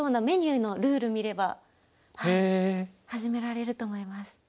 メニューのルール見れば始められると思います。